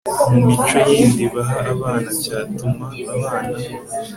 mu mico yindi baha abana cyatuma abana